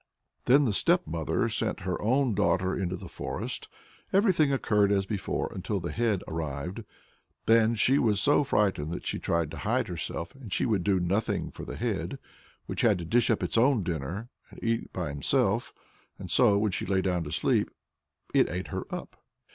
" Then the stepmother sent her own daughter into the forest. Everything occurred as before, until the Head arrived. Then she was so frightened that she tried to hide herself, and she would do nothing for the Head, which had to dish up its own dinner, and eat it by itself. And so "when she lay down to sleep, it ate her up."